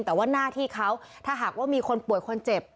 แต่ว่าหน้าที่เขาถ้าหากว่ามีคนป่วยคนเจ็บ